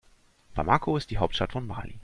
Bamako ist die Hauptstadt von Mali.